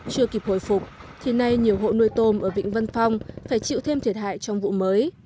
chưa kịp hồi phục thì nay nhiều hộ nuôi tôm ở vịnh vân phong phải chịu thêm thiệt hại trong vụ mới